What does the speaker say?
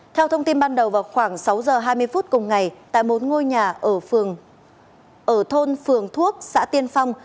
theo thông tin ban đầu vào khoảng sáu giờ hai mươi phút cùng ngày tại một ngôi nhà ở thôn phường thuốc xã tiên phong